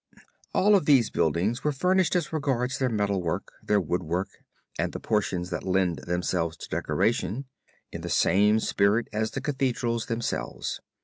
All of these buildings were furnished as regards their metal work, their wood work, and the portions that lent themselves to decoration, in the same spirit as the Cathedrals themselves.